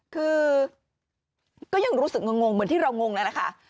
คือก็ยังรู้สึกงงเหมือนที่เรางงแล้วนะคะ